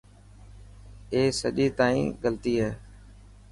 اي سڄي تائن غلطي هي.